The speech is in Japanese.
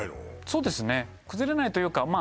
そうですね崩れないというかま